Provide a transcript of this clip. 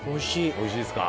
おいしいですか。